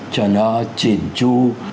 cho nó chỉn chu